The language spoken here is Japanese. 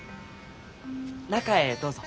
中へどうぞ。